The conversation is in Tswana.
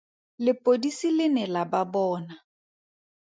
Lepodisi le ne la ba bona.